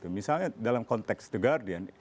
misalnya dalam konteks the guardian